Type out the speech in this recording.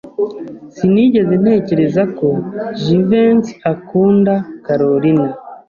Sinigeze ntekereza ko Jivency akunda Kalorina.